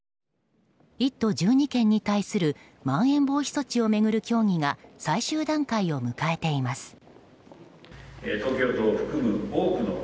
１都１２県に対するまん延防止措置を巡る協議が最終段階を迎えています。